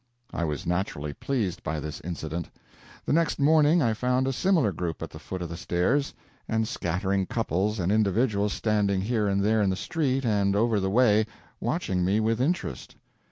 I was naturally pleased by this incident. The next morning I found a similar group at the foot of the stairs, and scattering couples and individuals standing here and there in the street and over the way, watching me with interest.